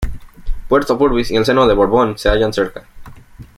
Puerto Purvis y el seno de Borbón se hallan cerca.